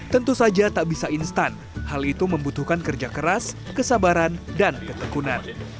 tentu saja tak bisa instan hal itu membutuhkan kerja keras kesabaran dan ketekunan